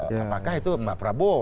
apakah itu pak prabowo